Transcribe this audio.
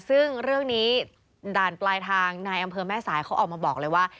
ซึ่งเรื่องนี้ด่านปลายทางนายอำเภอแม่สายเขาออกมาบอกเลยว่า